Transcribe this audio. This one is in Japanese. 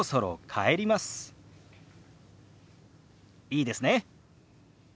いいですね？